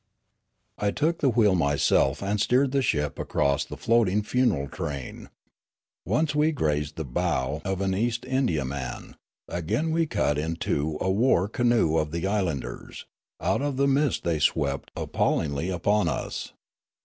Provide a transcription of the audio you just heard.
I took the wheel myself and steered the ship across the floating funeral train. Once we grazed the bow of an East Indiaman; again we cut in two a war canoe of the islanders ; out of the mist they swept appallingly upon us.